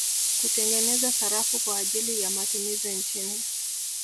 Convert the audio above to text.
Kutengeneza sarafu kwa ajili ya matumizi nchini